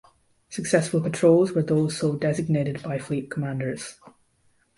Successful patrols were those so designated by fleet commanders.